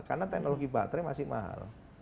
karena teknologi baterai masih mahal